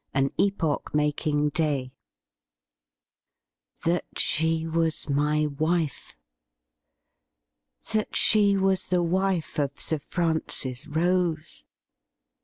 AN EPOCH MAKING DAY, ' That she was my wife !' That she was the wife of Sir Francis Rose